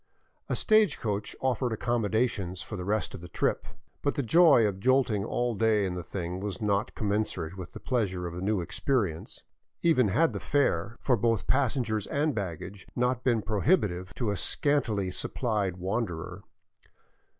A stage coach offered accommodations for the rest of the trip; but the joy of jolting all day in the thing was not commensurate with the pleasure of a new experience, even had the fare for both passengers and baggage not been prohibitive to a scan tily supplied wanderer.